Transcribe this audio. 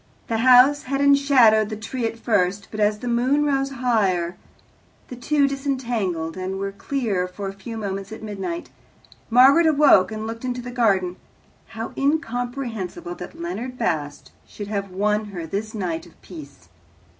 The house had enshadowed the tree at first, but as the moon rose higher the two disentangled, and were clear for a few moments at midnight. Margaret awoke and looked into the garden. How incomprehensible that Leonard Bast should have won her this night of peace!